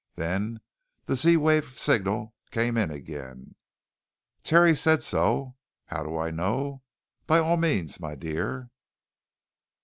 Then the Z wave signal came in again, "... Terry said so.... How do I know?... By all means, my dear...."